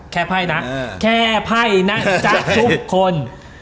ไพ่นะแค่ไพ่นะจ๊ะทุกคน